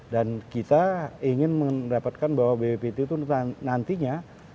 dan kita ingin mendapatkan bahwa bppt itu nantinya